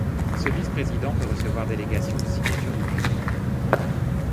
Ce vice-président peut recevoir délégation de signature du président.